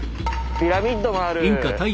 ピラミッドもある。